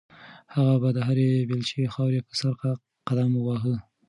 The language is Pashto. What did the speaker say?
هغه به د هرې بیلچې خاورې په سر قدم واهه.